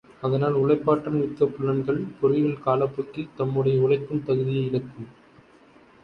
அதனால் உழைப்பாற்றல் மிக்க புலன்கள், பொறிகள் காலப்போக்கில் தம்முடைய உழைக்கும் தகுதியை இழக்கும்.